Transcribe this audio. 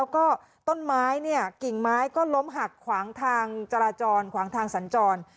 กิ่งไม้ก็ล้มหักขวางทางจราจรขวางทางสรรจร